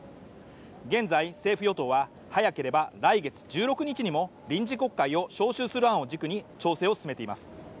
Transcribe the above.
現在政府与党は早ければ来月１６日にも臨時国会を召集する案を軸に調整を進めています